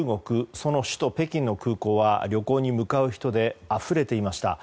その首都・北京の空港は旅行に向かう人であふれていました。